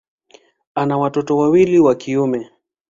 Ana watoto wawili wa kiume.